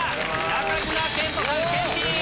中島健人さんケンティー！